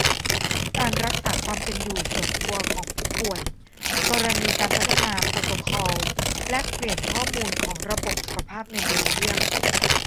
การรักษาความเป็นอยู่ส่วนตัวของผู้ป่วย กรณีการพัฒนาโปรโตคอลแลกเปลี่ยนข้อมูลของระบบสุขภาพในเบลเยียม